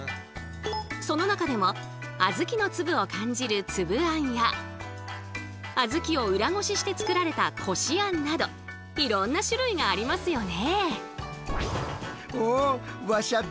その中でもあずきの粒を感じる「つぶあん」やあずきを裏ごしして作られた「こしあん」などいろんな種類がありますよね。